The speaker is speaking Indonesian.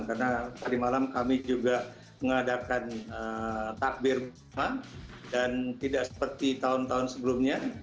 karena tadi malam kami juga mengadakan takbir dan tidak seperti tahun tahun sebelumnya